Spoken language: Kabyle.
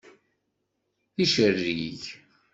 D icerrig!